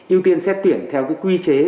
yêu tiên xét tuyển theo quy chế